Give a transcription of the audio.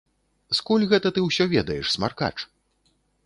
Скуль гэта ты ўсё ведаеш, смаркач?